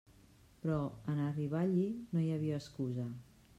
Però en arribar allí no hi havia excusa.